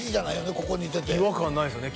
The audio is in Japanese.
ここにいてて違和感ないですよね